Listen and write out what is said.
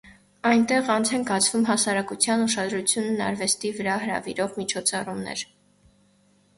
Այնտեղ անց են կացվում հասարակության ուշադրությունն արվեստի վրա հրավիրող միջոցառումներ։